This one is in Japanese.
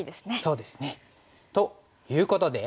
そうですね。ということで。